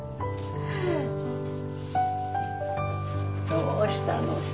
どうしたのさ。